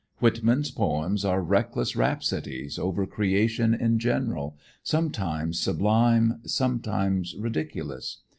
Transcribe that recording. Whitman's poems are reckless rhapsodies over creation in general, some times sublime, some times ridiculous.